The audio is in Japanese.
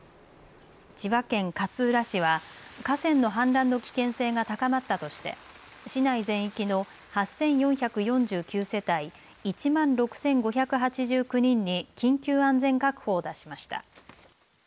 千葉県勝浦市は河川の氾濫の危険性が高まったとして市内全域の８４４９世帯１万６５８９人に緊急安全確保を出しました。